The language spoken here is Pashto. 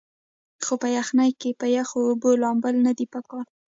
خو پۀ يخنۍ کښې پۀ يخو اوبو لامبل نۀ دي پکار